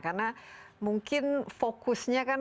karena mungkin fokusnya kan